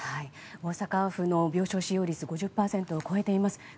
大阪府の病床使用率は５０％を超えています。